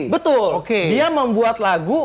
betul dia membuat lagu